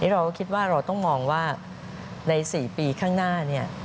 เราก็คิดว่าเราต้องมองว่าใน๔ปีข้างหน้า